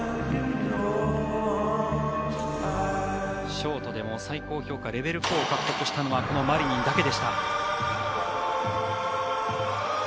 ショートでも最高評価レベル４を獲得したのはこのマリニンだけでした。